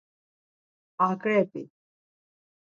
Aǩrep̌i!